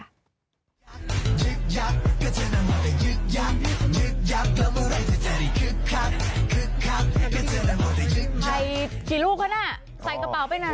ใส่กี่ลูกแล้วน่ะใส่กระเป๋าไปไหน